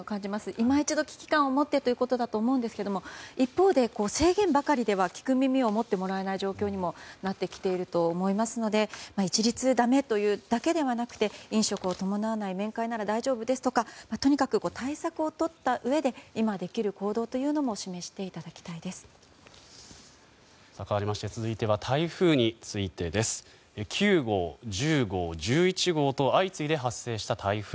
今一度、危機感を持ってということだと思うんですが一方で、制限ばかりでは聞く耳をもってもらえない状況になってきていると思いますので一律だめというだけではなくて飲食を伴わない面会なら大丈夫ですとかとにかく対策をとったうえで今取れる行動というのをかわりまして、続いては台風についてです。９号、１０号、１１号と相次いで発生した台風。